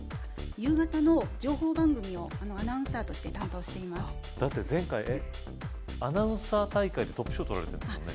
夕方の情報番組をアナウンサーとして担当していますだって前回アナウンサー大会でトップ賞取られてるんですもんね